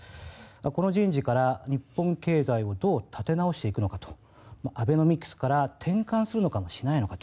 この人事から日本経済をどう立て直していくのかとアベノミクスから転換するのか、しないのかと。